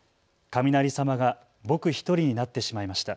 雷様が僕一人になってしまいました。